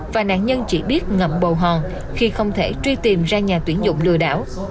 và nạn nhân chỉ biết ngậm bầu hòn khi không thể truy tìm ra nhà tuyển dụng lừa đảo